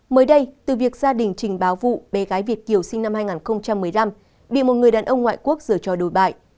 mới đây từ việc gia đình trình báo vụ bé gái việt kiều sinh năm hai nghìn một mươi năm bị một người đàn ông ngoại quốc rửa cho đồi bại